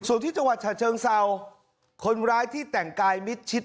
ส่วนที่จังหวัดฉะเชิงเศร้าคนร้ายที่แต่งกายมิดชิด